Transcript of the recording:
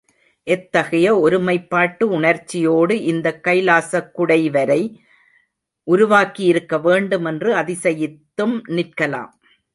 எத்தகைய ஒருமைப்பாட்டு உணர்ச்சியோடு இந்த கைலாசக் குடைவரை உருவாகியிருக்க வேண்டும் என்று அதிசயித்தும் நிற்கலாம்.